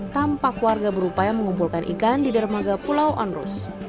tampak warga berupaya mengumpulkan ikan di dermaga pulau onrus